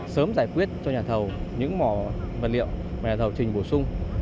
sớm giải quyết cho nhà thầu những mỏ vật liệu và nhà thầu trình bổ sung